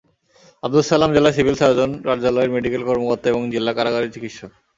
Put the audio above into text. আবদুস সালাম জেলা civil surgeon কার্যালয়ের মেডিকেল কর্মকর্তা এবং জেলা কারাগারের চিকিৎসক।